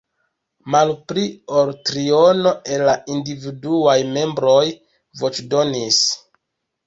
Malpli ol triono el la individuaj membroj voĉdonis.